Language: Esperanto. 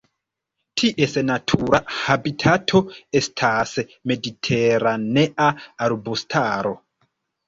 Ties natura habitato estas mediteranea arbustaro.